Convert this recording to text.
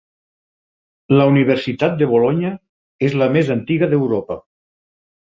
La Universitat de Bolonya és la més antiga d'Europa.